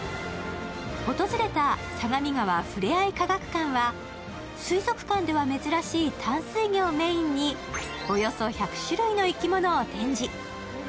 訪れた相模川ふれあい科学館は水族館では珍しい淡水魚をメーンにおよそ１００種類の生き物を展示。